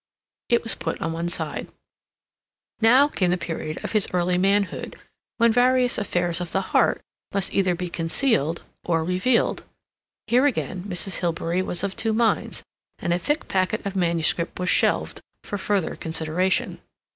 It was put on one side. Now came the period of his early manhood, when various affairs of the heart must either be concealed or revealed; here again Mrs. Hilbery was of two minds, and a thick packet of manuscript was shelved for further consideration.